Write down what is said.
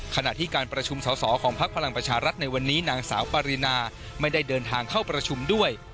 ขณะที่การประชุมสอสอของพักพลังประชารัฐในวันนี้นางสาวปรินาไม่ได้เดินทางเข้าประชุมด้วย